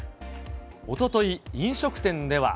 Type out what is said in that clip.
おととい、飲食店では。